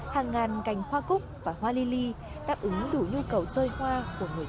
hàng ngàn cành hoa cúc và hoa li li đáp ứng đủ nhu cầu chơi hoa của người dân